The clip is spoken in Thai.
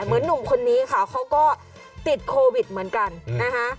หนุ่มคนนี้ค่ะเขาก็ติดโควิดเหมือนกันนะคะ